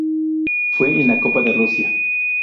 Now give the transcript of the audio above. Fue en la Copa de Rusia.